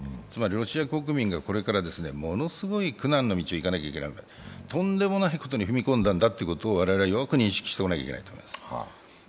つまりロシア国民がこれからものすごい苦難の道を行かなきゃいけない、とんでもないことに踏み込んだんだということを我々はよく認識しておかなきゃいけません。